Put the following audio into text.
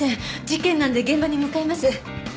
事件なんで現場に向かいます。